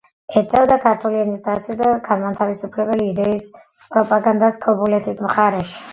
ეწეოდა ქართული ენის დაცვის და განმათავისუფლებელი იდეების პროპაგანდას ქობულეთის მხარეში.